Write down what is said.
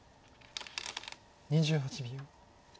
２８秒。